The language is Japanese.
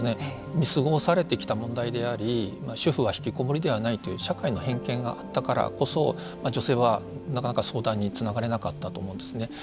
見過ごされてきた問題であり主婦はひきこもりではないという社会の偏見があったからこそ女性は、なかなか相談につながれなかったと思うんですね。